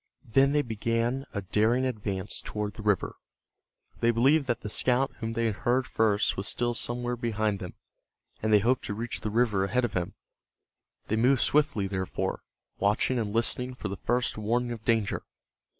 Then they began a daring advance toward the river. They believed that the scout whom they had heard first was still somewhere behind them, and they hoped to reach the river ahead of him, They moved swiftly, therefore, watching and listening for the first warning of danger.